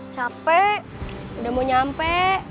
capek udah mau nyampe